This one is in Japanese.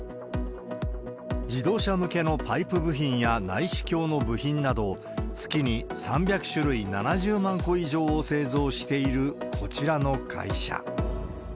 自動車向けのパイプ部品や内視鏡の部品など、月に３００種類７０万個以上を製造しているこちらの会社。